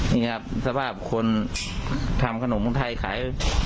นี่ครับสภาพคนทำขนมของไทยขาย